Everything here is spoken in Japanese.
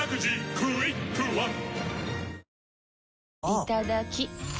いただきっ！